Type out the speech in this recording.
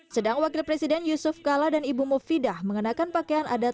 sedang wakil presiden yusuf kala dan ibu mufidah mengenakan pakaian adat